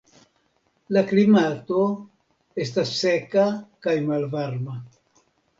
La klimato estas seka kaj malvarma.